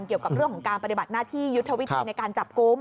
เกี่ยวกับเรื่องของการปฏิบัติหน้าที่ยุทธวิธีในการจับกลุ่ม